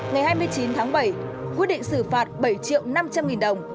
ngày hai mươi chín tháng bảy quyết định xử phạt bảy triệu năm trăm linh nghìn đồng